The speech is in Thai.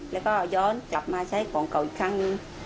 แล้วก็ย้อนกลับมาใช้กล่องเก่าอีกครั้ง